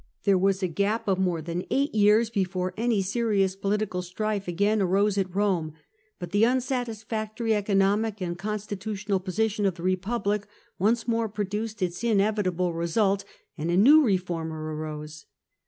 There was a gap of more than eight years before any serious politi cal strife again arose at Rome ; but the unsatisfactory economic and constitutional position of the Republic once more produced its inevitable result, and a new reformer arose.